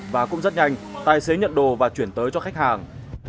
và cũng rất nhanh tài xế nhận đồ và chuyển tới cho khách hàng